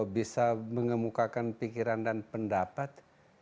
bisa mengemukakan pikiran dan pendapat